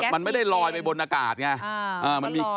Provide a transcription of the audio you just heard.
มันไม่ได้ลอยไปบนอากาศไง